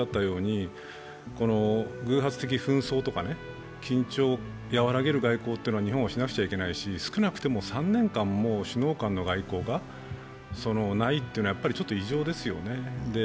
偶発的紛争とか緊張を和らげる外交は日本はしなくちゃいけないし、少なくとも３年間も首脳間の外交がないというのはちょっと異常ですよね。